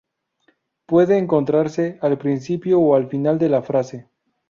Puede encontrarse al principio o al final de la frase.